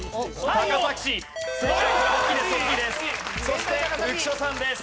そして浮所さんです。